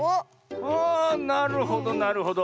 あなるほどなるほど。